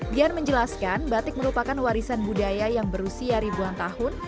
dian menjelaskan batik merupakan warisan budaya yang berusia ribuan tahun